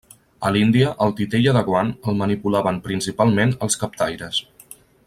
A l'Índia, el titella de guant, el manipulaven -principalment- els captaires.